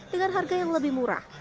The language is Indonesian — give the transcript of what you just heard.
dengan harga yang lebih murah